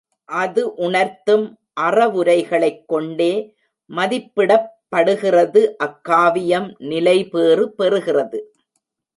அது உணர்த்தும் அறவுரைகளைக் கொண்டே மதிப்பிடப்படுகிறது அக்காவியம் நிலைபேறு பெறுகிறது.